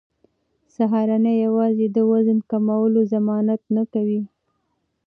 سهارنۍ یوازې د وزن کمولو ضمانت نه کوي.